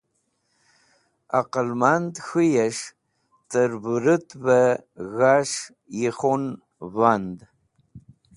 Aqalmand K̃huyes̃h ter Vurutve G̃has̃h Yikhun Vand